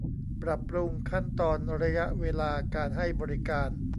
ปรับปรุงขั้นตอนระยะเวลาการให้บริการ